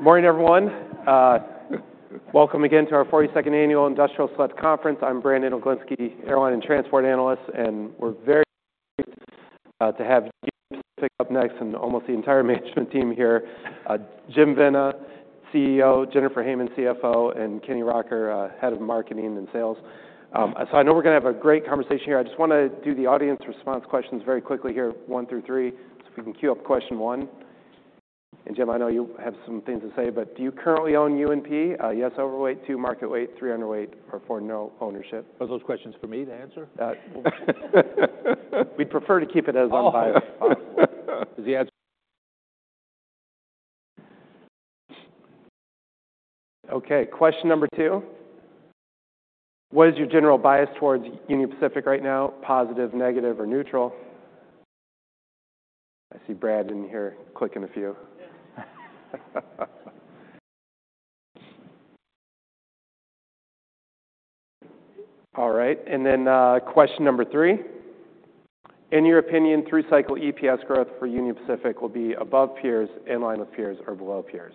Good morning, everyone. Welcome again to our 42nd Annual Industrial Select Conference. I'm Brandon Oglenski, Airline and Transport Analyst, and we're very pleased to have you up next and almost the entire management team here. Jim Vena, CEO; Jennifer Hamann, CFO; and Kenny Rocker, Head of Marketing and Sales. So I know we're gonna have a great conversation here. I just wanna do the audience response questions very quickly here, one through three, so if we can cue up question one. And Jim, I know you have some things to say, but do you currently own UNP? Yes, overweight; two, market weight; three, underweight; or four, no ownership? Are those questions for me to answer? We'd prefer to keep it as unbiased as possible. Is the answer. Okay. Question number two. What is your general bias towards Union Pacific right now? Positive, negative, or neutral? I see Brad in here clicking a few. All right. And then, question number three. In your opinion, through-cycle EPS growth for Union Pacific will be above peers, in line with peers, or below peers?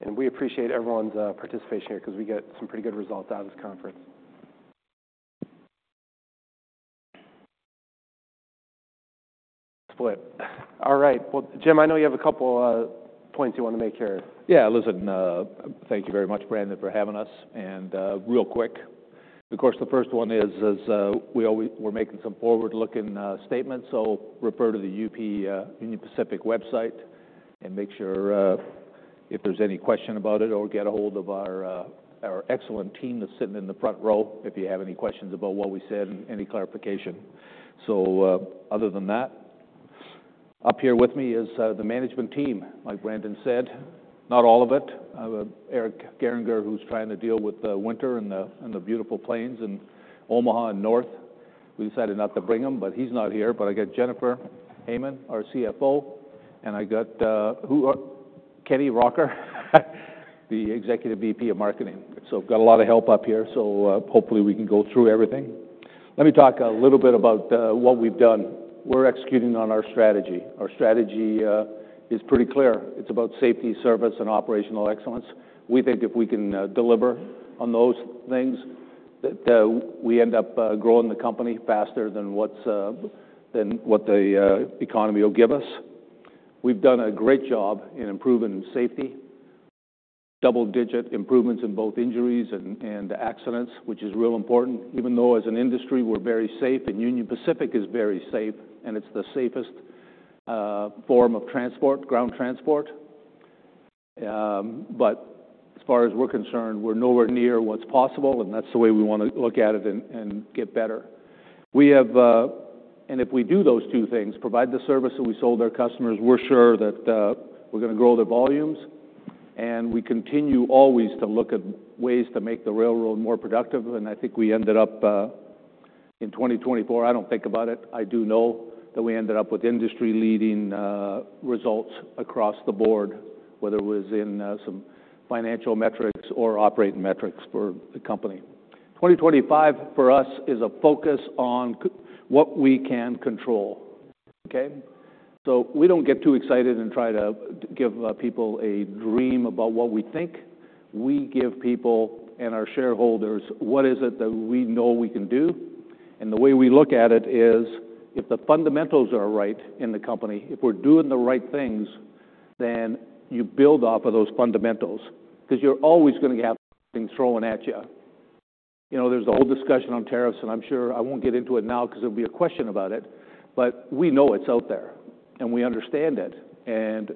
And we appreciate everyone's participation here 'cause we get some pretty good results out of this conference. Split. All right. Well, Jim, I know you have a couple points you wanna make here. Yeah. Listen, thank you very much, Brandon, for having us. And real quick, of course, the first one is, we're making some forward-looking statements, so refer to the UP, Union Pacific website and make sure if there's any question about it or get a hold of our excellent team that's sitting in the front row if you have any questions about what we said and any clarification. So other than that, up here with me is the management team. Like Brandon said, not all of it. Eric Gehringer, who's trying to deal with the winter and the beautiful plains in Omaha and north. We decided not to bring him, but he's not here. But I got Jennifer Hamann, our CFO, and I got Kenny Rocker, the Executive VP of Marketing. So I've got a lot of help up here, so hopefully we can go through everything. Let me talk a little bit about what we've done. We're executing on our strategy. Our strategy is pretty clear. It's about safety, service, and operational excellence. We think if we can deliver on those things, that we end up growing the company faster than what the economy will give us. We've done a great job in improving safety, double-digit improvements in both injuries and accidents, which is real important, even though as an industry we're very safe and Union Pacific is very safe, and it's the safest form of ground transport. But as far as we're concerned, we're nowhere near what's possible, and that's the way we wanna look at it and get better. We have, and if we do those two things, provide the service that we sold our customers. We're sure that we're gonna grow the volumes, and we continue always to look at ways to make the railroad more productive, and I think we ended up in 2024. I do know that we ended up with industry-leading results across the board, whether it was in some financial metrics or operating metrics for the company. 2025 for us is a focus on what we can control, okay? So we don't get too excited and try to give people a dream about what we think. We give people and our shareholders what is it that we know we can do. And the way we look at it is if the fundamentals are right in the company, if we're doing the right things, then you build off of those fundamentals 'cause you're always gonna have things throwing at you. You know, there's the whole discussion on tariffs, and I'm sure I won't get into it now 'cause there'll be a question about it, but we know it's out there, and we understand it. And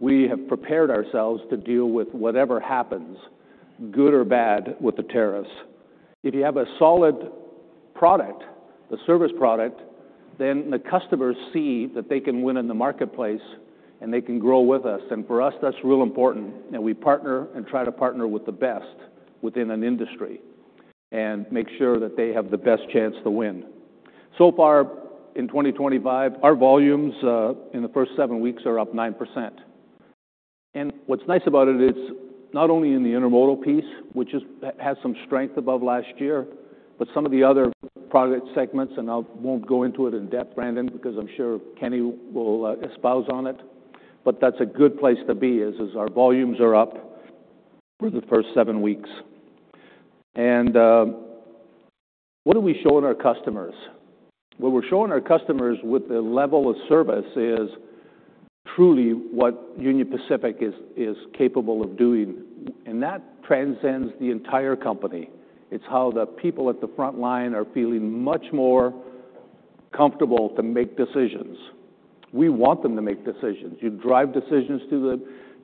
we have prepared ourselves to deal with whatever happens, good or bad, with the tariffs. If you have a solid product, the service product, then the customers see that they can win in the marketplace and they can grow with us. And for us, that's real important. And we partner and try to partner with the best within an industry and make sure that they have the best chance to win. So far in 2025, our volumes in the first seven weeks are up 9%. And what's nice about it is not only in the intermodal piece, which has some strength above last year, but some of the other product segments, and I won't go into it in depth, Brandon, because I'm sure Kenny will expound on it. But that's a good place to be. Our volumes are up for the first seven weeks. And what are we showing our customers? What we're showing our customers with the level of service is truly what Union Pacific is capable of doing. And that transcends the entire company. It's how the people at the front line are feeling much more comfortable to make decisions. We want them to make decisions. You drive decisions to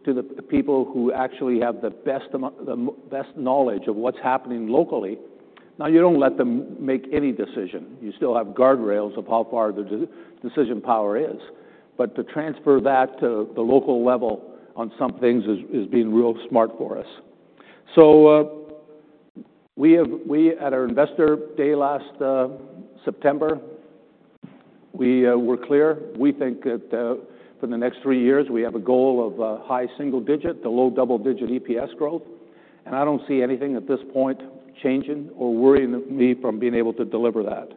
the people who actually have the best amount, the best knowledge of what's happening locally. Now, you don't let them make any decision. You still have guardrails of how far the decision power is. But to transfer that to the local level on some things is being real smart for us. So we at our investor day last September were clear. We think that for the next three years we have a goal of a high single-digit to low double-digit EPS growth. And I don't see anything at this point changing or worrying me from being able to deliver that.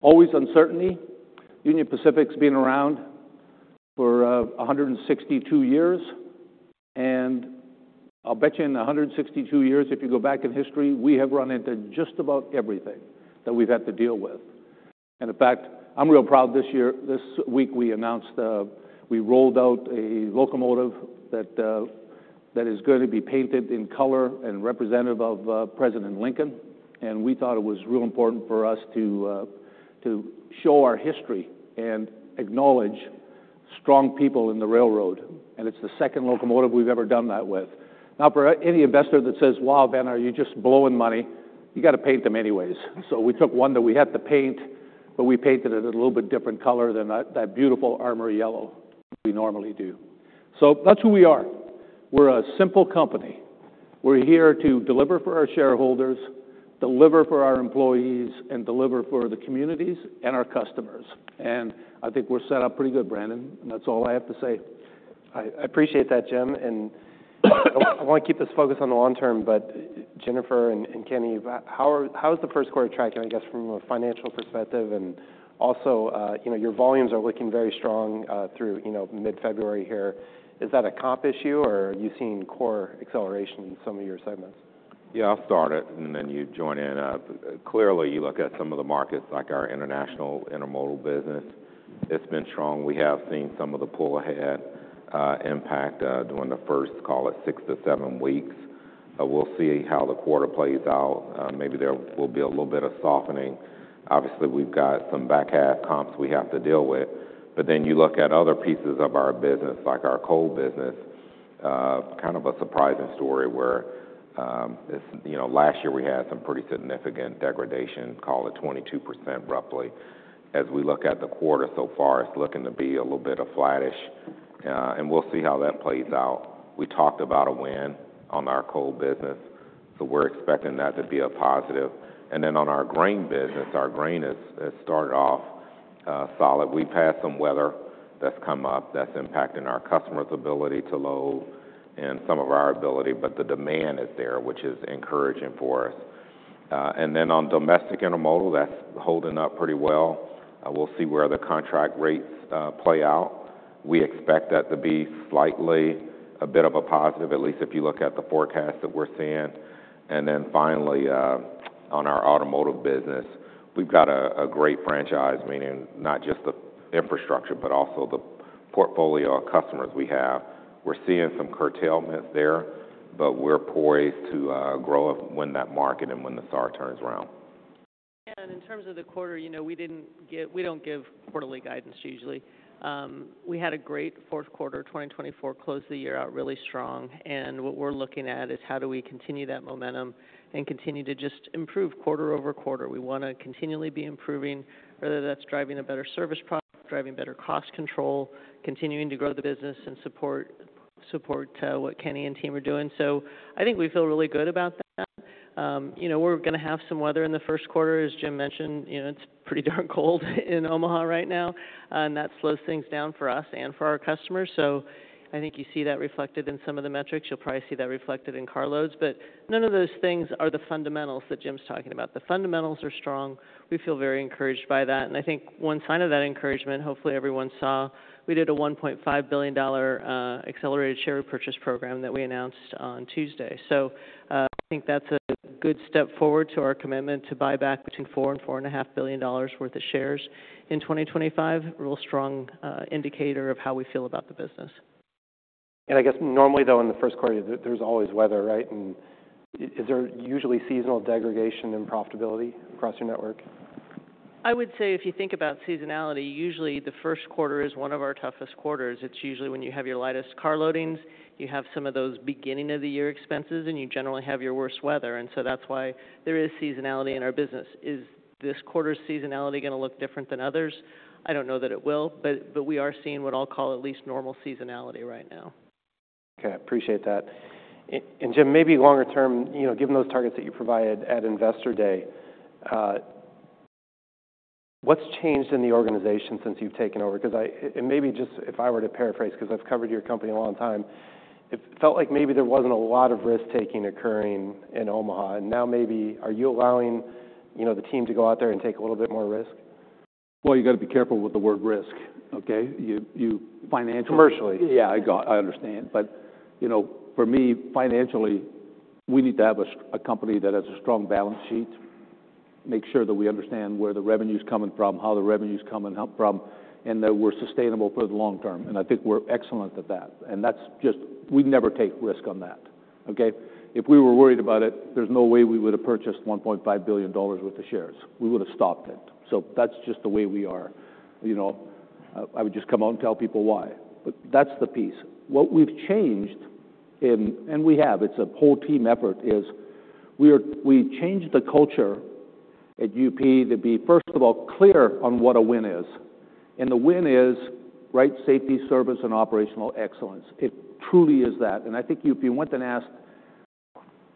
Always uncertainty. Union Pacific's been around for 162 years. I'll bet you in 162 years, if you go back in history, we have run into just about everything that we've had to deal with. In fact, I'm real proud this year. This week, we announced, we rolled out a locomotive that is gonna be painted in color and representative of President Lincoln. We thought it was real important for us to show our history and acknowledge strong people in the railroad. It's the second locomotive we've ever done that with. Now, for any investor that says, "Wow, Vena, are you just blowing money?" You gotta paint them anyways. We took one that we had to paint, but we painted it a little bit different color than that beautiful Armour yellow we normally do. That's who we are. We're a simple company. We're here to deliver for our shareholders, deliver for our employees, and deliver for the communities and our customers. I think we're set up pretty good, Brandon. That's all I have to say. I appreciate that, Jim. And I wanna keep this focused on the long term, but Jennifer and Kenny, how's the first quarter tracking, I guess, from a financial perspective? And also, you know, your volumes are looking very strong, through, you know, mid-February here. Is that a comp issue, or are you seeing core acceleration in some of your segments? Yeah. I'll start it, and then you join in. Clearly, you look at some of the markets, like our international intermodal business. It's been strong. We have seen some of the pull ahead, impact, during the first, call it, six to seven weeks. We'll see how the quarter plays out. Maybe there will be a little bit of softening. Obviously, we've got some back half comps we have to deal with. But then you look at other pieces of our business, like our coal business, kind of a surprising story where, it's, you know, last year we had some pretty significant degradation, call it 22%, roughly. As we look at the quarter so far, it's looking to be a little bit of flattish. And we'll see how that plays out. We talked about a win on our coal business, so we're expecting that to be a positive. And then on our grain business, our grain has started off solid. We've had some weather that's come up that's impacting our customer's ability to load and some of our ability, but the demand is there, which is encouraging for us. And then on domestic intermodal, that's holding up pretty well. We'll see where the contract rates play out. We expect that to be slightly a bit of a positive, at least if you look at the forecast that we're seeing. And then finally, on our automotive business, we've got a great franchise meeting, not just the infrastructure but also the portfolio of customers we have. We're seeing some curtailments there, but we're poised to grow and win that market and when the SAAR turns around. Yeah. And in terms of the quarter, you know, we don't give quarterly guidance usually. We had a great fourth quarter, 2024, close the year out really strong. And what we're looking at is how do we continue that momentum and continue to just improve quarter-over-quarter. We wanna continually be improving, whether that's driving a better service product, driving better cost control, continuing to grow the business and support what Kenny and team are doing. So I think we feel really good about that. You know, we're gonna have some weather in the first quarter. As Jim mentioned, you know, it's pretty darn cold in Omaha right now. And that slows things down for us and for our customers. So I think you see that reflected in some of the metrics. You'll probably see that reflected in carloads. But none of those things are the fundamentals that Jim's talking about. The fundamentals are strong. We feel very encouraged by that. And I think one sign of that encouragement, hopefully everyone saw, we did a $1.5 billion accelerated share repurchase program that we announced on Tuesday. So, I think that's a good step forward to our commitment to buy back between $4 billion and $4.5 billion worth of shares in 2025, a real strong indicator of how we feel about the business. I guess normally, though, in the first quarter, there's always weather, right? Is there usually seasonal degradation and profitability across your network? I would say if you think about seasonality, usually the first quarter is one of our toughest quarters. It's usually when you have your lightest car loadings, you have some of those beginning of the year expenses, and you generally have your worst weather. And so that's why there is seasonality in our business. Is this quarter's seasonality gonna look different than others? I don't know that it will, but we are seeing what I'll call at least normal seasonality right now. Okay. I appreciate that. And Jim, maybe longer term, you know, given those targets that you provided at investor day, what's changed in the organization since you've taken over? 'Cause I, and maybe just if I were to paraphrase, 'cause I've covered your company a long time, it felt like maybe there wasn't a lot of risk-taking occurring in Omaha. And now maybe, are you allowing, you know, the team to go out there and take a little bit more risk? You gotta be careful with the word risk, okay? You financially. Commercially. Yeah. I understand. But, you know, for me, financially, we need to have a company that has a strong balance sheet, make sure that we understand where the revenue's coming from, how the revenue's coming from, and that we're sustainable for the long term. And I think we're excellent at that. And that's just we never take risk on that, okay? If we were worried about it, there's no way we would've purchased $1.5 billion worth of shares. We would've stopped it. So that's just the way we are. You know, I would just come out and tell people why. But that's the piece. What we've changed in, and we have, it's a whole team effort, is we changed the culture at UP to be, first of all, clear on what a win is. And the win is right safety, service, and operational excellence. It truly is that. And I think if you went and asked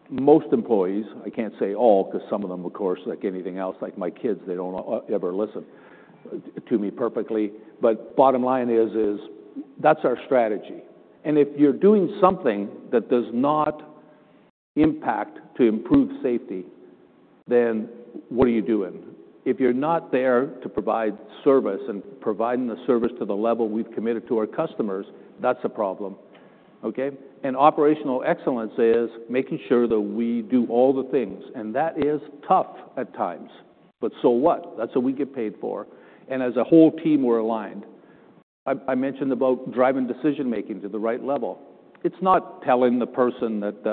most employees, I can't say all 'cause some of them, of course, like anything else, like my kids, they don't ever listen to me perfectly. But bottom line is, is that's our strategy. And if you're doing something that does not impact to improve safety, then what are you doing? If you're not there to provide service and providing the service to the level we've committed to our customers, that's a problem, okay? And operational excellence is making sure that we do all the things. And that is tough at times. But so what? That's what we get paid for. And as a whole team, we're aligned. I, I mentioned about driving decision-making to the right level. It's not telling the person that,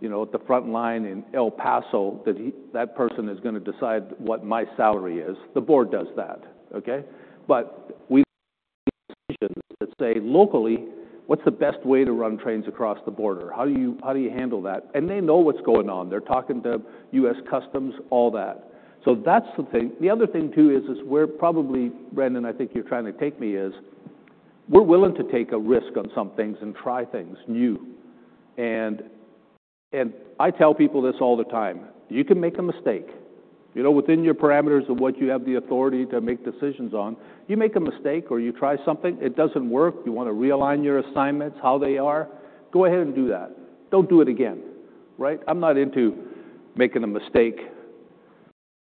you know, at the front line in El Paso that the person is gonna decide what my salary is. The board does that, okay? But we make decisions that say, "Locally, what's the best way to run trains across the border? How do you handle that?" And they know what's going on. They're talking to U.S. Customs, all that. So that's the thing. The other thing too is we're probably, Brandon, I think you're trying to take me, is we're willing to take a risk on some things and try things new. And I tell people this all the time. You can make a mistake. You know, within your parameters of what you have the authority to make decisions on, you make a mistake or you try something, it doesn't work, you wanna realign your assignments how they are, go ahead and do that. Don't do it again, right? I'm not into making a mistake.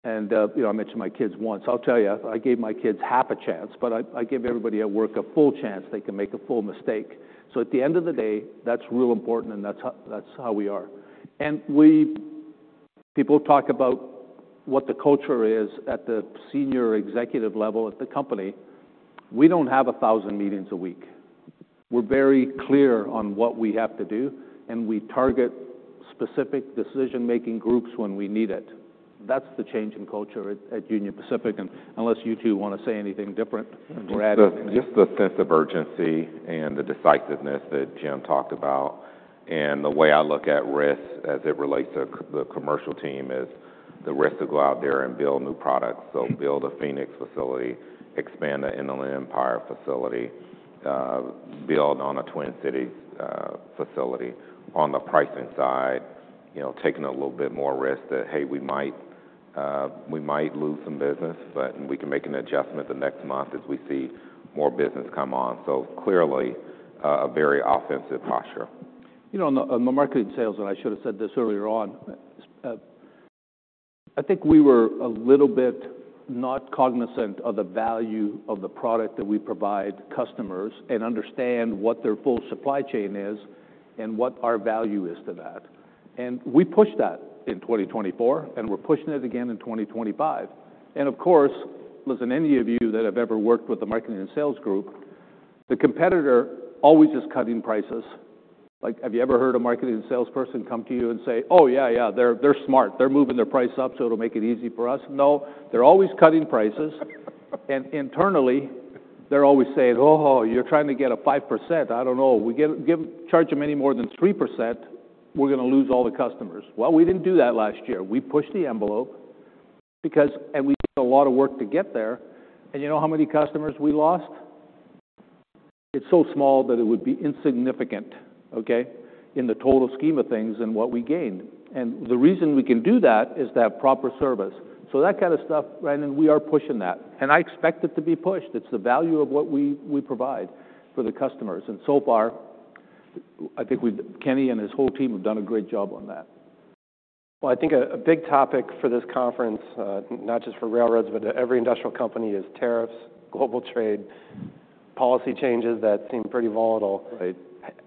And, you know, I mentioned my kids once. I'll tell you, I gave my kids half a chance, but I, I give everybody at work a full chance. They can make a full mistake. So at the end of the day, that's real important, and that's how that's how we are. And we people talk about what the culture is at the senior executive level at the company. We don't have 1,000 meetings a week. We're very clear on what we have to do, and we target specific decision-making groups when we need it. That's the change in culture at Union Pacific. And unless you two wanna say anything different, we're adding in. So just the sense of urgency and the decisiveness that Jim talked about and the way I look at risk as it relates to the commercial team is the risk to go out there and build new products. So build a Phoenix facility, expand the Inland Empire facility, build out a Twin Cities facility. On the pricing side, you know, taking a little bit more risk that, "Hey, we might lose some business, but we can make an adjustment the next month as we see more business come on." So clearly, a very offensive posture. You know, on the marketing sales, and I should've said this earlier on, I think we were a little bit not cognizant of the value of the product that we provide customers and understand what their full supply chain is and what our value is to that, and we pushed that in 2024, and we're pushing it again in 2025, and of course, listen, any of you that have ever worked with the marketing and sales group, the competitor always is cutting prices. Like, have you ever heard a marketing salesperson come to you and say, "Oh, yeah, yeah. They're smart. They're moving their price up so it'll make it easy for us"? No. They're always cutting prices, and internally, they're always saying, "Oh, you're trying to get a 5%. I don't know. If we charge them any more than 3%, we're gonna lose all the customers." Well, we didn't do that last year. We pushed the envelope because and we did a lot of work to get there. And you know how many customers we lost? It's so small that it would be insignificant, okay, in the total scheme of things and what we gained. And the reason we can do that is to have proper service. So that kinda stuff, Brandon, we are pushing that. And I expect it to be pushed. It's the value of what we, we provide for the customers. And so far, I think we've, Kenny, and his whole team have done a great job on that. I think a big topic for this conference, not just for railroads but to every industrial company, is tariffs, global trade, policy changes that seem pretty volatile. Right.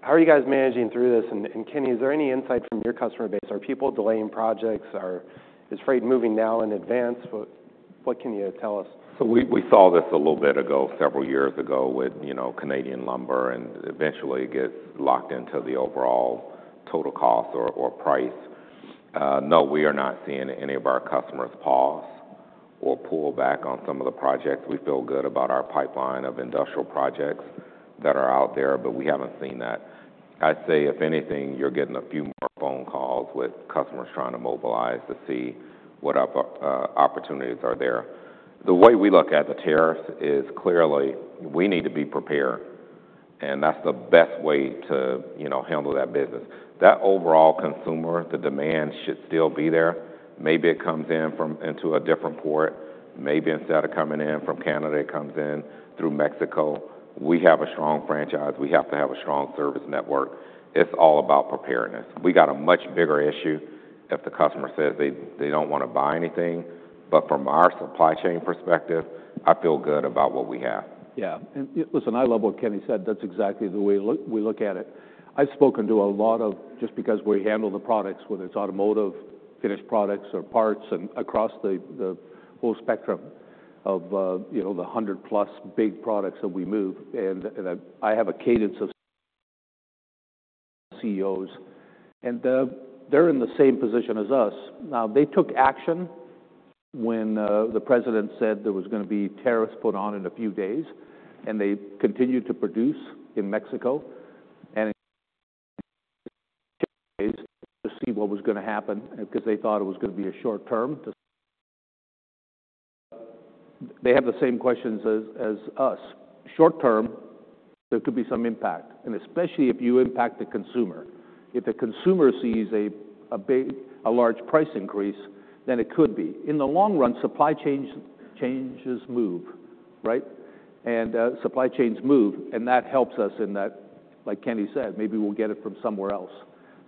How are you guys managing through this? And Kenny, is there any insight from your customer base? Are people delaying projects? Is freight moving now in advance? What can you tell us? We saw this a little bit ago, several years ago, with you know, Canadian lumber, and eventually it gets locked into the overall total cost or price. No, we are not seeing any of our customers pause or pull back on some of the projects. We feel good about our pipeline of industrial projects that are out there, but we haven't seen that. I'd say, if anything, you're getting a few more phone calls with customers trying to mobilize to see what opportunities are there. The way we look at the tariffs is clearly we need to be prepared, and that's the best way to you know, handle that business. That overall consumer, the demand should still be there. Maybe it comes in into a different port. Maybe instead of coming in from Canada, it comes in through Mexico. We have a strong franchise. We have to have a strong service network. It's all about preparedness. We got a much bigger issue if the customer says they don't wanna buy anything. But from our supply chain perspective, I feel good about what we have. Yeah. And listen, I love what Kenny said. That's exactly the way we look at it. I've spoken to a lot of just because we handle the products, whether it's automotive, finished products, or parts, and across the whole spectrum of, you know, the 100+ big products that we move. And I have a cadence of CEOs, and they're in the same position as us. Now, they took action when the president said there was gonna be tariffs put on in a few days, and they continued to produce in Mexico and to see what was gonna happen 'cause they thought it was gonna be a short term. They have the same questions as us. Short term, there could be some impact, and especially if you impact the consumer. If the consumer sees a big large price increase, then it could be. In the long run, supply chain changes move, right? Supply chains move, and that helps us in that, like Kenny said, maybe we'll get it from somewhere else.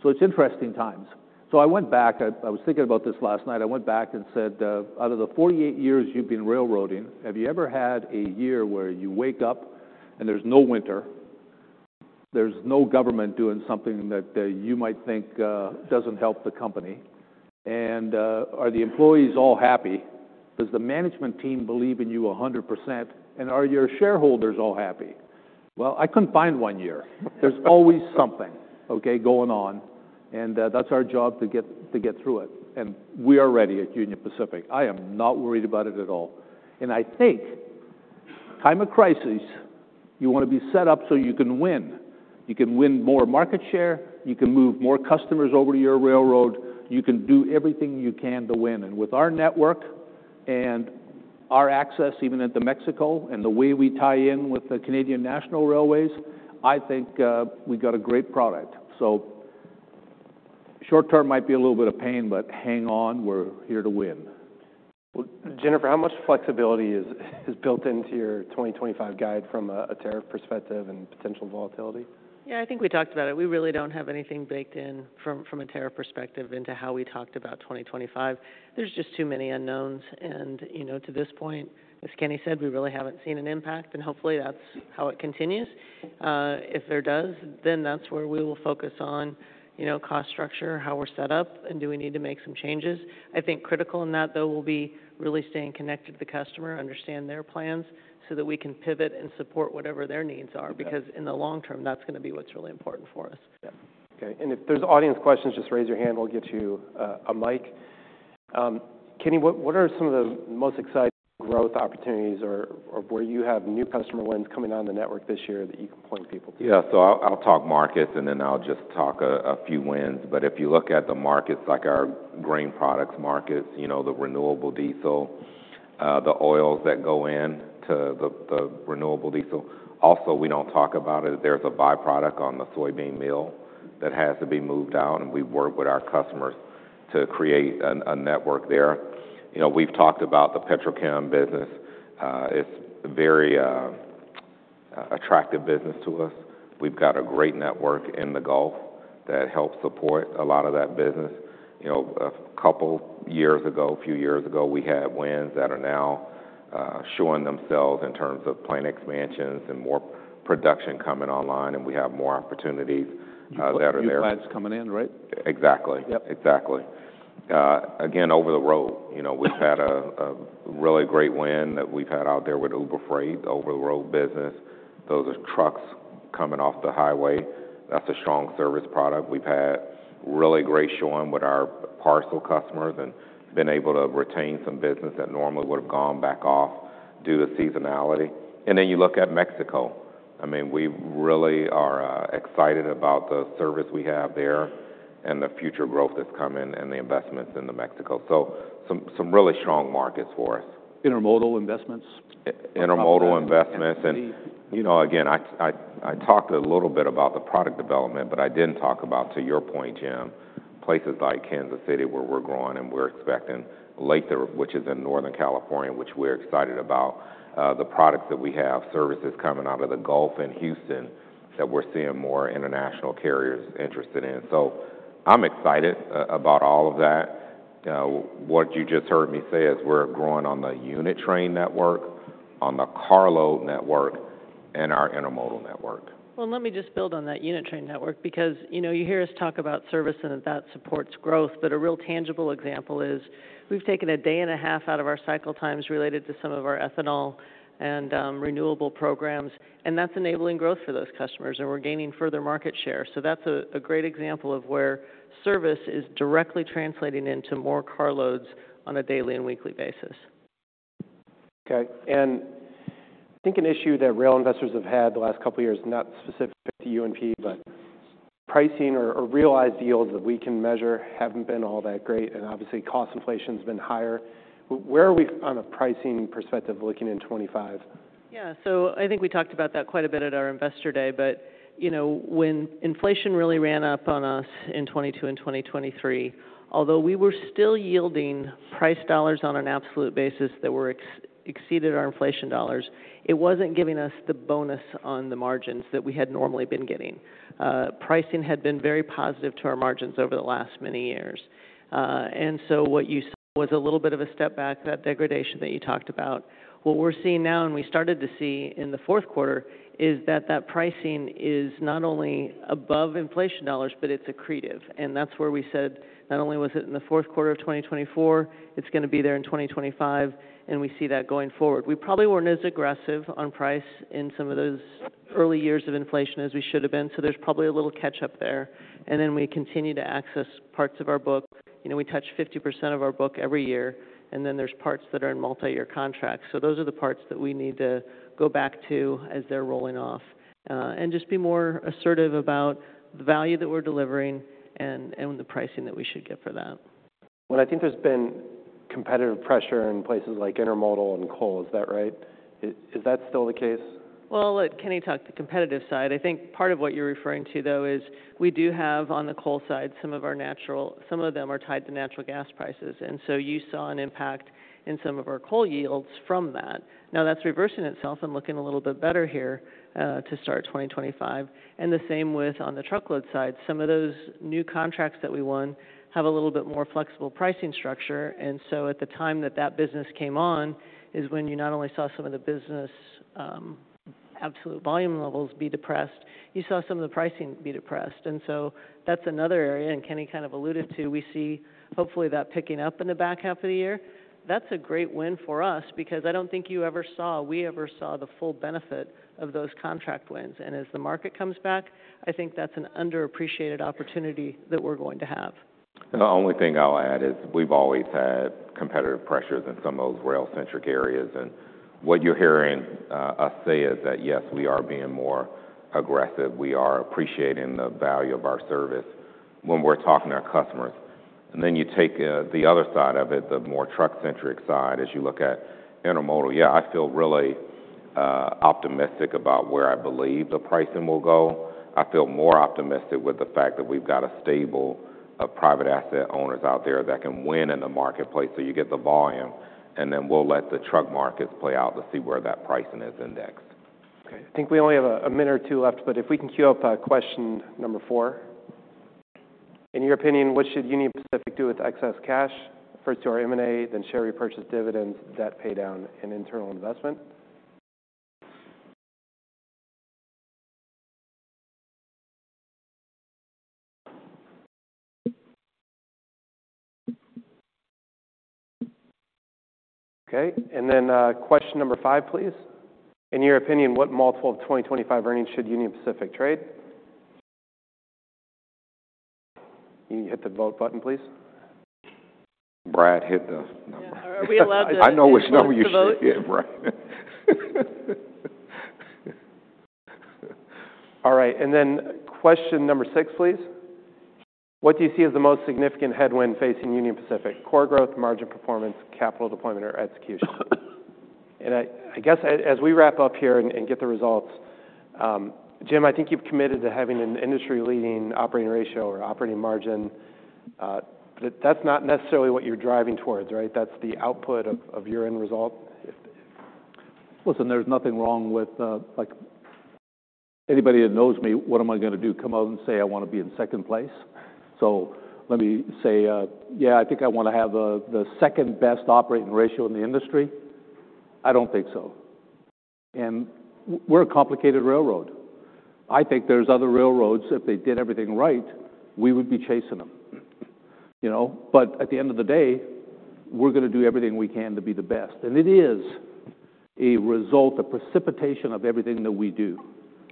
It's interesting times. I went back. I was thinking about this last night. I went back and said, out of the 48 years you've been railroading, have you ever had a year where you wake up and there's no winter, there's no government doing something that you might think doesn't help the company? Are the employees all happy? Does the management team believe in you 100%? Are your shareholders all happy? I couldn't find one year. There's always something, okay, going on. That's our job to get through it. We are ready at Union Pacific. I am not worried about it at all. And I think time of crisis, you wanna be set up so you can win. You can win more market share. You can move more customers over to your railroad. You can do everything you can to win. And with our network and our access, even into Mexico, and the way we tie in with the Canadian National Railways, I think, we got a great product. So short term might be a little bit of pain, but hang on. We're here to win. Jennifer, how much flexibility is built into your 2025 guide from a tariff perspective and potential volatility? Yeah. I think we talked about it. We really don't have anything baked in from a tariff perspective into how we talked about 2025. There's just too many unknowns. And, you know, to this point, as Kenny said, we really haven't seen an impact. And hopefully, that's how it continues. If there does, then that's where we will focus on, you know, cost structure, how we're set up, and do we need to make some changes. I think critical in that, though, will be really staying connected to the customer, understand their plans so that we can pivot and support whatever their needs are. Right. Because in the long term, that's gonna be what's really important for us. Yeah. Okay, and if there's audience questions, just raise your hand. We'll get you a mic. Kenny, what are some of the most exciting growth opportunities or where you have new customer wins coming on the network this year that you can point people to? Yeah. So I'll talk markets, and then I'll just talk a few wins. But if you look at the markets, like our grain products markets, you know, the renewable diesel, the oils that go into the renewable diesel. Also, we don't talk about it. There's a byproduct on the soybean meal that has to be moved out. And we work with our customers to create a network there. You know, we've talked about the petrochem business. It's very attractive business to us. We've got a great network in the Gulf that helps support a lot of that business. You know, a couple years ago, a few years ago, we had wins that are now showing themselves in terms of plant expansions and more production coming online, and we have more opportunities that are there. You said new plants coming in, right? Exactly. Yep. Exactly. Again, over the road, you know, we've had a really great win that we've had out there with Uber Freight, over-the-road business. Those are trucks coming off the highway. That's a strong service product. We've had really great showing with our parcel customers and been able to retain some business that normally would've gone back off due to seasonality. And then you look at Mexico. I mean, we really are excited about the service we have there and the future growth that's coming and the investments into Mexico. So some really strong markets for us. Intermodal investments? Intermodal investments. And, you know, again, I talked a little bit about the product development, but I didn't talk about, to your point, Jim, places like Kansas City where we're growing and we're expecting Lathrop, which is in Northern California, which we're excited about, the products that we have, services coming out of the Gulf and Houston that we're seeing more international carriers interested in. So I'm excited about all of that. What you just heard me say is we're growing on the unit train network, on the carload network, and our intermodal network. Well, let me just build on that unit train network because, you know, you hear us talk about service and that that supports growth. But a real tangible example is we've taken a day and a half out of our cycle times related to some of our ethanol and renewable programs, and that's enabling growth for those customers, and we're gaining further market share. So that's a great example of where service is directly translating into more carloads on a daily and weekly basis. Okay. And I think an issue that rail investors have had the last couple of years, not specific to UNP, but pricing or realized yields that we can measure haven't been all that great. And obviously, cost inflation's been higher. Where are we on a pricing perspective looking in 2025? Yeah, so I think we talked about that quite a bit at our investor day, but you know, when inflation really ran up on us in 2022 and 2023, although we were still yielding pricing dollars on an absolute basis that exceeded our inflation dollars, it wasn't giving us the bonus on the margins that we had normally been getting. Pricing had been very positive to our margins over the last many years, and so what you saw was a little bit of a step back, that degradation that you talked about. What we're seeing now, and we started to see in the fourth quarter, is that that pricing is not only above inflation dollars, but it's accretive. And that's where we said not only was it in the fourth quarter of 2024, it's gonna be there in 2025, and we see that going forward. We probably weren't as aggressive on price in some of those early years of inflation as we should've been. So there's probably a little catch-up there. And then we continue to access parts of our book. You know, we touch 50% of our book every year, and then there's parts that are in multi-year contracts. So those are the parts that we need to go back to as they're rolling off, and just be more assertive about the value that we're delivering and the pricing that we should get for that. I think there's been competitive pressure in places like intermodal and coal. Is that right? Is that still the case? Let Kenny talk the competitive side. I think part of what you're referring to, though, is we do have on the coal side some of them are tied to natural gas prices. And so you saw an impact in some of our coal yields from that. Now, that's reversing itself and looking a little bit better here, to start 2025. And the same with on the truckload side. Some of those new contracts that we won have a little bit more flexible pricing structure. And so at the time that that business came on is when you not only saw some of the business, absolute volume levels be depressed, you saw some of the pricing be depressed. And so that's another area, and Kenny kind of alluded to. We see hopefully that picking up in the back half of the year. That's a great win for us because I don't think you ever saw the full benefit of those contract wins, and as the market comes back, I think that's an underappreciated opportunity that we're going to have. The only thing I'll add is we've always had competitive pressures in some of those rail-centric areas. And what you're hearing us say is that, yes, we are being more aggressive. We are appreciating the value of our service when we're talking to our customers. And then you take the other side of it, the more truck-centric side, as you look at intermodal. Yeah, I feel really optimistic about where I believe the pricing will go. I feel more optimistic with the fact that we've got a stable of private asset owners out there that can win in the marketplace. So you get the volume, and then we'll let the truck markets play out to see where that pricing is indexed. Okay. I think we only have a minute or two left, but if we can queue up question number four. In your opinion, what should Union Pacific do with excess cash? First, do our M&A, then share repurchase dividends, debt pay down, and internal investment? Okay. And then, question number five, please. In your opinion, what multiple of 2025 earnings should Union Pacific trade? You hit the vote button, please. Brad hit the number. Yeah.Are we allowed to ask? I know which number you should hit, right? All right. And then question number six, please. What do you see as the most significant headwind facing Union Pacific? Core growth, margin performance, capital deployment, or execution? And I guess as we wrap up here and get the results, Jim, I think you've committed to having an industry-leading operating ratio or operating margin. That's not necessarily what you're driving towards, right? That's the output of your end result if. Listen, there's nothing wrong with, like, anybody that knows me. What am I gonna do? Come out and say I wanna be in second place? So let me say, yeah, I think I wanna have the second-best operating ratio in the industry. I don't think so. And we're a complicated railroad. I think there's other railroads. If they did everything right, we would be chasing them, you know? But at the end of the day, we're gonna do everything we can to be the best. And it is a result, a precipitation of everything that we do.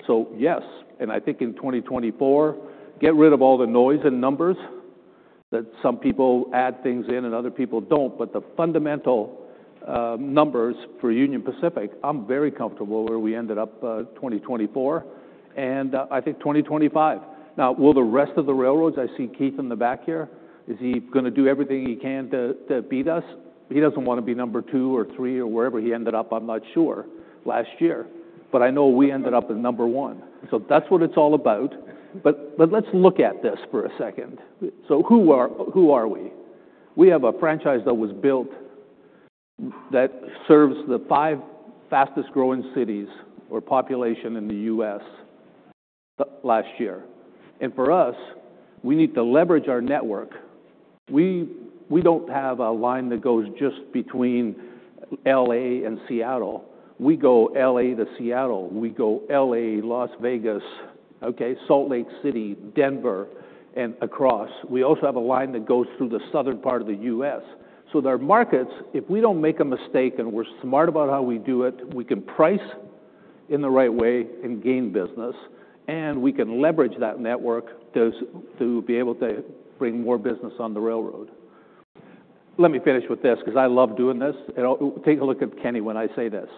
So yes, and I think in 2024, get rid of all the noise and numbers that some people add things in and other people don't. But the fundamental numbers for Union Pacific, I'm very comfortable where we ended up, 2024, and, I think 2025. Now, will the rest of the railroads I see Keith in the back here, is he gonna do everything he can to beat us? He doesn't wanna be number two or three or wherever he ended up. I'm not sure last year, but I know we ended up at number one. So that's what it's all about. But let's look at this for a second, so who are we? We have a franchise that was built that serves the five fastest-growing cities or population in the U.S. last year, and for us, we need to leverage our network. We don't have a line that goes just between LA and Seattle. We go LA to Seattle. We go LA, Las Vegas, okay, Salt Lake City, Denver, and across. We also have a line that goes through the southern part of the U.S., so there are markets. If we don't make a mistake and we're smart about how we do it, we can price in the right way and gain business, and we can leverage that network to be able to bring more business on the railroad. Let me finish with this 'cause I love doing this, and I'll take a look at Kenny when I say this.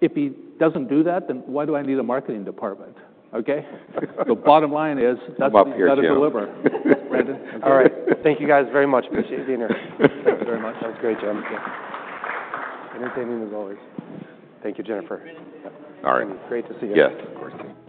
If he doesn't do that, then why do I need a marketing department? Okay? The bottom line is that's what we're gonna deliver. Brandon. All right. Thank you guys very much. Appreciate being here. Thank you very much. That was great, Jim. Yeah. Entertainment as always. Thank you, Jennifer. All right. Great to see you. Yes. Of course.